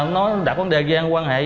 nó đặt vấn đề gian quan hệ